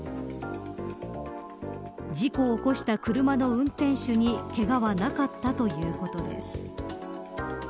事故を起こした車の運転手にけがはなかったということです。